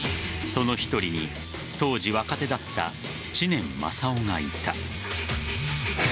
その１人に、当時若手だった知念正男がいた。